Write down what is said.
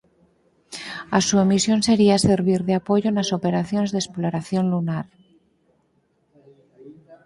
A súa misión sería servir de apoio nas operacións de exploración lunar.